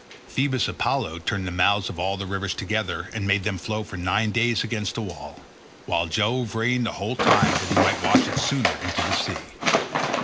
Phoebus Apollo turned the mouths of all these rivers together and made them flow for nine days against the wall, while Jove rained the whole time that he might wash it sooner into the sea.